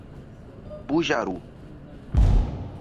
Bujaru